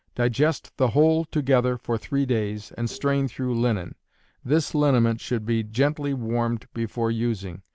Digest the whole together for three days, and strain through linen. This liniment should be gently warmed before using.